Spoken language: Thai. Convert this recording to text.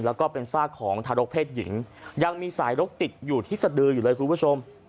แล้วก็เป็นซากของทารกเพศหญิงยังมีสายรกติดอยู่ที่สดืออยู่เลยคุณผู้ชม